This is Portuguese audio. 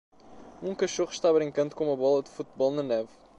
Um cachorro está brincando com uma bola de futebol na neve.